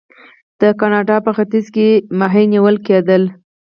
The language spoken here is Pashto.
د کاناډا په ختیځ کې کب نیول کیدل.